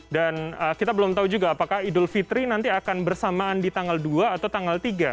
dan kita belum tahu juga apakah idul fitri nanti akan bersamaan di tanggal dua atau tanggal tiga